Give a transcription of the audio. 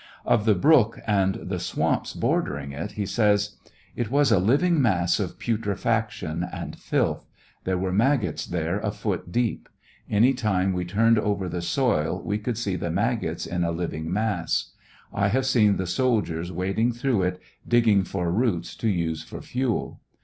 Of the brook and the swamps bordering it, he says : It was a living mass of putrefaction and filth ; there were maggots there a foot deep ; any time we turned over the soil we could see the maggots in a living mass ; I have seen the soldiers wading through it, digging for roots to use for fuel.